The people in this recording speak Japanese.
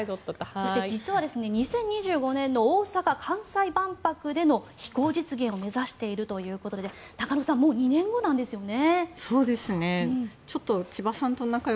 実は２０２５年の大阪・関西万博での飛行実現を目指しているということで中野さんもう２年後なんですよね。